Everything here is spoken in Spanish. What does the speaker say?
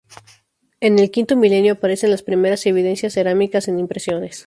En el V milenio aparecen las primeras evidencias cerámicas en impresiones.